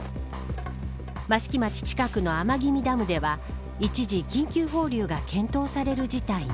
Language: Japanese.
益城町近くの天君ダムでは一時、緊急放流が検討される事態に。